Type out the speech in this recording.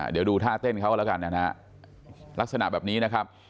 เดี๋ยวดูท่าเต้นเขาแล้วกันนะฮะลักษณะแบบนี้นะครับ